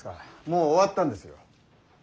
もう終わったんですよ。